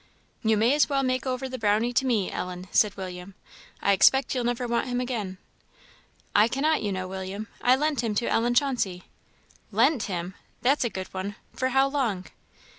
"You may as well make over the Brownie to me, Ellen," said William; "I expect you'll never want him again." "I cannot, you know, William; I lent him to Ellen Chauncey." "Lent him! that's a good one. For how long?"